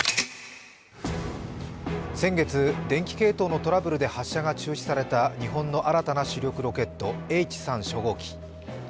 先月、電気系統のトラブルで発射が中止された日本の新たな主力ロケットＨ３初号機。